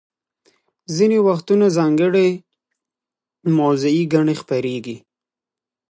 ځینې وختونه ځانګړې موضوعي ګڼې خپریږي.